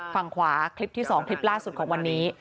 ฝั่งขวาคลิปที่๒คลิปล่าสุดของวันนี้